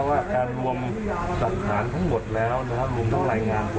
ว่าอารวมหลักฐานทั้งหมดแล้วมุมต้องรายงาน